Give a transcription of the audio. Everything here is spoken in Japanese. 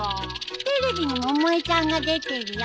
テレビに百恵ちゃんが出てるよ